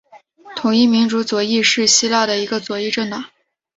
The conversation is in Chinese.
统一民主左翼是希腊的一个左翼政党。